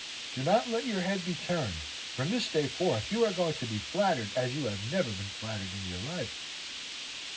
Do not let your head be turned. From this day forth you are going to be flattered as you have never been flattered in your life."